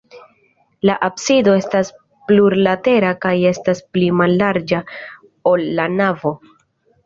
La absido estas plurlatera kaj estas pli mallarĝa, ol la navo.